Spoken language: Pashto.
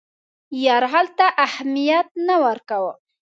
یرغل ته اهمیت نه ورکاوه.